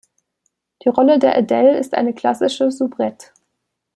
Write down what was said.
Die Rolle der "Adele" ist eine klassische Soubrette.